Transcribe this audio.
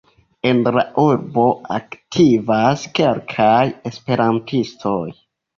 En la urbo aktivas kelkaj esperantistoj.